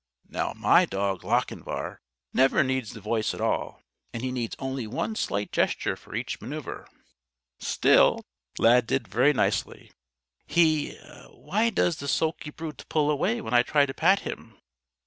Now my dog Lochinvar never needs the voice at all and he needs only one slight gesture for each manoeuver. Still, Lad did very nicely. He why does the sulky brute pull away when I try to pat him?"